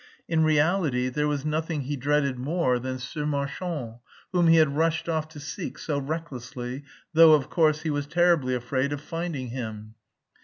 In reality there was nothing he dreaded more than ce marchand, whom he had rushed off to seek so recklessly, though, of course, he was terribly afraid of finding him.